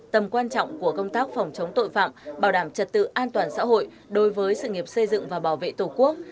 tầm quan trọng của công tác phòng chống tội phạm bảo đảm trật tự an toàn xã hội đối với sự nghiệp xây dựng và bảo vệ tổ quốc